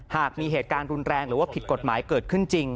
หากมีเหตุการณ์รุนแรงหรือว่าผิดกฎหมายเกิดขึ้นจริง